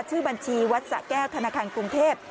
ชื่อบัญชีวัดสะแก้วธนาคารกรุงเทพ